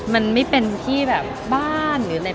มันไม่เป็นที่แบบบ้านหรืออะไร